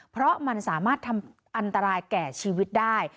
เพราะมันสามารถทำอันตรายแก่ชีวิตได้